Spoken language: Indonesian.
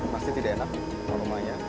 masih tidak enak aromanya